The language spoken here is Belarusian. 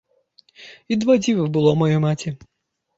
І два дзівы было маёй маці.